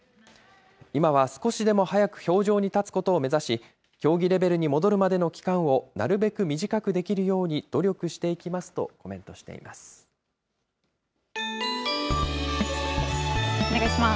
今は少しでも早く氷上に立つことを目指し、競技レベルに戻るまでの期間をなるべく短くできるように努力してお願いします。